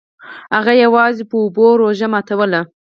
هغه یوازې په اوبو روژه ماتوله.